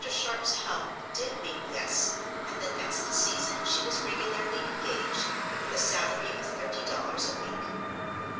Sharp's "Hum" did mean yes, and the next season she was regularly engaged, with a salary of thirty dollars a week.